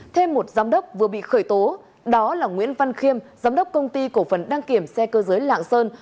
thêm một giám đốc vừa bị khởi tố đó là nguyễn văn khiêm giám đốc công ty cổ phần đăng kiểm xe cơ giới lạng sơn